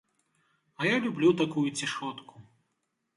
А я люблю такую цішотку.